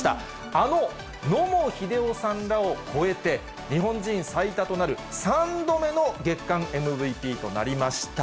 あの野茂英雄さんらを超えて、日本人最多となる３度目の月間ＭＶＰとなりました。